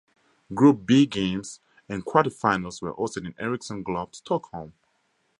Group B games and quarterfinals were hosted in Ericsson Globe, Stockholm.